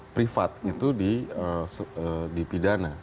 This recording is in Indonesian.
privat itu di pidana